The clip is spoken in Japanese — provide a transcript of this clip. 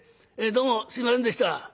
どうもすいませんでした。